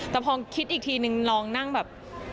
แต่พอคิดอีกทีนึงลองนั่งแบบ